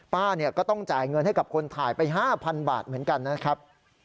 ป้าก็ต้องจ่ายเงินให้กับคนถ่ายไป๕๐๐บาทเหมือนกันนะครับ